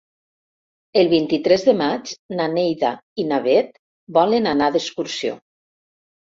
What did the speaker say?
El vint-i-tres de maig na Neida i na Bet volen anar d'excursió.